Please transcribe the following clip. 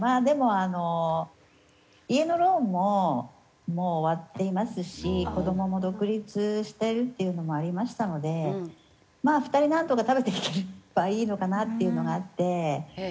でも家のローンももう終わっていますし子どもも独立しているっていうのもありましたので２人なんとか食べていければいいのかなっていうのがあって。